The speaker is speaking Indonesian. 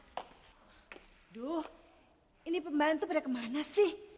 aduh ini pembantu pada kemana sih